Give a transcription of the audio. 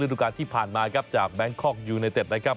ฮงฬูการที่ผ่านมานะครับจากแบงคอร์กยูนเง็ตเน้ตในนะครับ